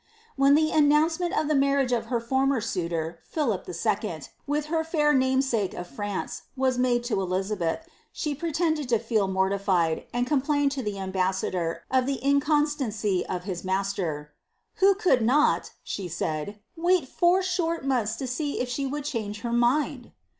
' When the announcement of the marriage of her former suitor, PluBp II., with her fair namesake of Fiance, was made to Elizabeth, she pea tended to feel mortified, and complained to the ambassador of the iacoa stancy of his master, ^who could vjiot," she said, ^wait four short months to see if she would change her mind."'